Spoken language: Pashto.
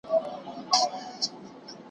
د منځنيو پېړيو خلګ ډېر ساده وو.